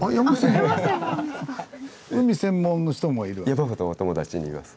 山ほどお友達にいます。